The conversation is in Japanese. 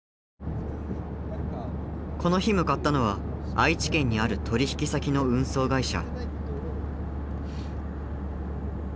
この日向かったのは愛知県にある取引先の運送会社。